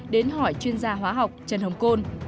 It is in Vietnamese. đến hỏi chuyên gia hóa học trần hồng côn